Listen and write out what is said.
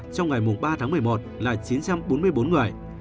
trong ngày ba tháng một mươi một là chín trăm bốn mươi bốn người